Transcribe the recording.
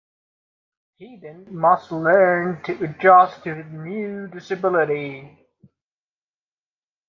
He then must learn to adjust to his new disability.